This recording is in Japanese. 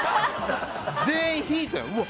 全員引いたよ。